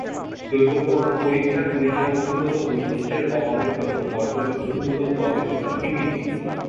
দৈব পরীক্ষার পরিসংখ্যানগত বৈশিষ্ট্যের অভাবের জন্য পর্যবেক্ষণমূলক গবেষণা সীমিত।